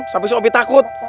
sampai si ovi takut